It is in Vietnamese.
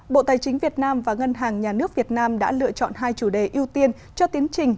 bộ tài chính việt nam và ngân hàng nhà nước việt nam đã lựa chọn hai chủ đề ưu tiên cho tiến trình